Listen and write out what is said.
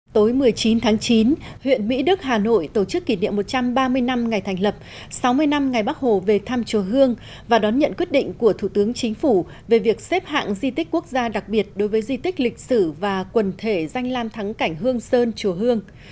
tối một mươi chín tháng chín huyện mỹ đức hà nội tổ chức kỷ niệm một trăm ba mươi năm ngày thành lập sáu mươi năm ngày bắc hồ về thăm chùa hương và đón nhận quyết định của thủ tướng chính phủ về việc xếp hạng di tích quốc gia đặc biệt đối với di tích lịch sử và quần thể danh lam thắng cảnh hương sơn chùa hương